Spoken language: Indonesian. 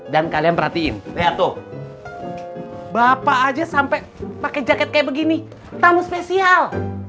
dan kalian perhatiin lihat tuh bapak aja sampai pakai jaket kayak begini tamu spesial